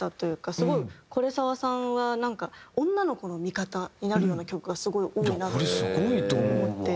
すごいコレサワさんは女の子の味方になるような曲がすごい多いなと思って。